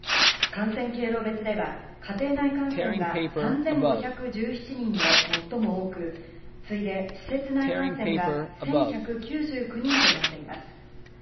感染経路別では、家庭内感染が３５１７人で最も多く次いで施設内感染が１１９９人となっています。